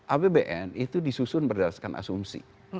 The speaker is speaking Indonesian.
apbn itu disusun berdasarkan asumsi